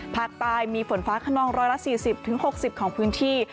ภาคใต้มีฝนฟ้าขนอง๑๔๐๖๐ของพื้นที่